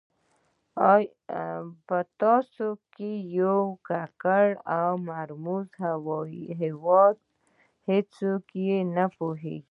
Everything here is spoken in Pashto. په داسې یو ککړ او مرموز هېواد کې هېڅوک نه پوهېږي.